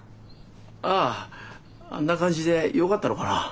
あああんな感じでよかったのかな。